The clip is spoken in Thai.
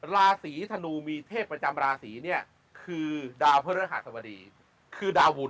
ราศีธนูมีเทพประจำราศีเนี่ยคือดาวพระฤหัสบดีคือดาวบุญ